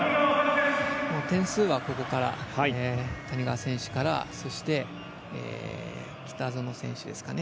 点数は、谷川選手からそして、北園選手ですかね。